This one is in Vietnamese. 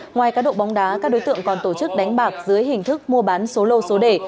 ngoài cá độ bóng đá các đối tượng còn tổ chức đánh bạc dưới hình thức mua bán số lô số đề